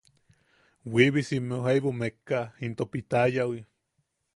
Wiibisimmeu jaibu mekka into pitayawi.